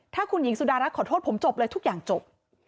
ถ้าคุณหญิงสุดารัฐขอโทษผมจบเลยทุกอย่างจบ